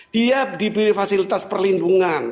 dia diberi fasilitas perlindungan